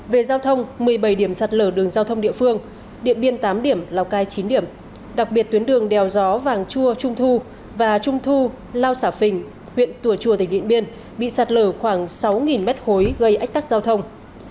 về giao thông một mươi bảy điểm sạt lở đường giao thông địa phương điện biên tám điểm lào cai chín điểm đặc biệt tuyến đường đèo gió vàng chua trung thu và trung thu lao xả phình huyện tùa chua tỉnh điện biên bị sạt lở khoảng sáu mét khối gây ách tắc giao thông